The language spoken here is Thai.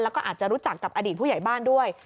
แล้วก็อาจจะรู้จักกับอดีตผู้ใหญ่บ้านด้วย